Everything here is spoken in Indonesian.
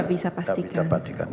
tidak bisa pastikan